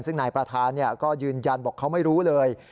ซึ่งนายประธานก็ยืนยันบอกเขาไม่รู้เลย